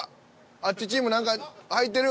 あっちチーム何か入ってる。